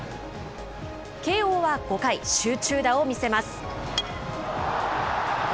慶応は５回、集中打を見せます。